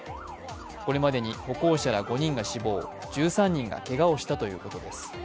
これまでに歩行者ら５人が死亡、１３人がけがをしたということです。